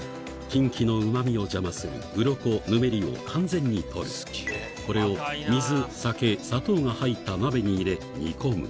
キンキのうま味を邪魔する鱗ぬめりを完全に取るこれをが入った鍋に入れ煮込む